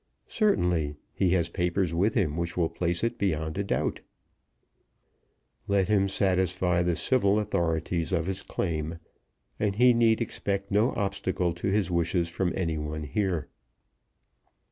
"Certainly; he has papers with him which will place it beyond a doubt." "Let him satisfy the civil authorities of his claim, and he need expect no obstacle to his wishes from any one here."